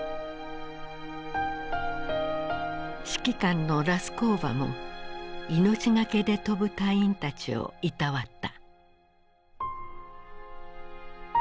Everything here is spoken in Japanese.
指揮官のラスコーヴァも命懸けで飛ぶ隊員たちをいたわった。